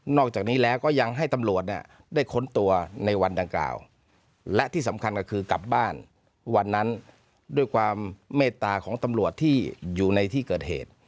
จากนี้แล้วก็ยังให้ตำรวจเนี่ยได้ค้นตัวในวันดังกล่าวและที่สำคัญก็คือกลับบ้านวันนั้นด้วยความเมตตาของตำรวจที่อยู่ในที่เกิดเหตุ